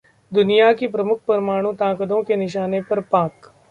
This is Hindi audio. दुनिया की प्रमुख परमाणु ताकतों के निशाने पर पाक